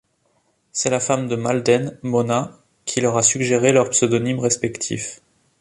C'est la femme de Malden, Mona, qui leur a suggéré leurs pseudonymes respectifs.